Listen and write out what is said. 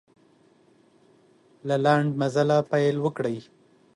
له لنډ مزله پیل وکړئ.